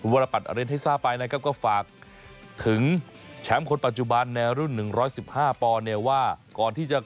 บริบัติอเรนท์ให้ซ่าไปนะครับก็ฝากถึงแชมป์คนปัจจุบันในรุ่นหนึ่งร้อยสิบห้าปเนี่ยว่าก่อนที่จะ